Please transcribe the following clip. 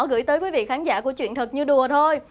gửi tới quý vị khán giả của chuyện thật như đùa thôi